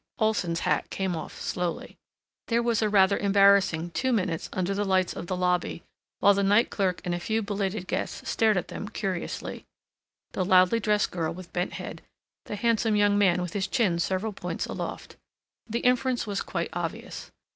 Olson's hat came off slowly. There was a rather embarrassing two minutes under the lights of the lobby while the night clerk and a few belated guests stared at them curiously; the loudly dressed girl with bent head, the handsome young man with his chin several points aloft; the inference was quite obvious.